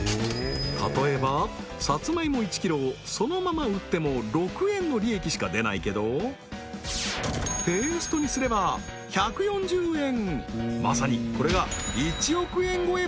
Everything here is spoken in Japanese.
例えばサツマイモ１ｋｇをそのまま売っても６円の利益しか出ないけどペーストにすれば１４０円